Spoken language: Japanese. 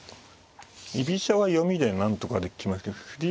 居飛車は読みでなんとかできますけど振り